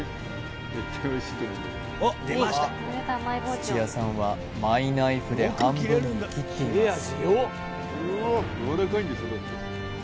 土屋さんはマイナイフで半分に切っています